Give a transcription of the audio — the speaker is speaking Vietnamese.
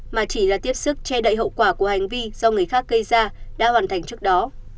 mà chỉ là tiếp sức che đậy hậu quả của hành vi do người khác gây ra đã hoàn thành trước đó